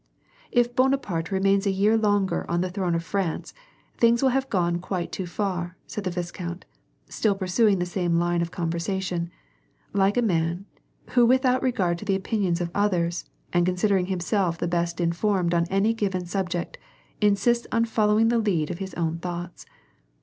"If Bonaparte remains a year longer on the throne of France, things will have gone quite too far," said the viscount, still pursuing the same line of conversation, like a man, who without regard to the opinions of others, and considering him self the best informed on any given subject, insists on follow ing the lead of his own thoughts.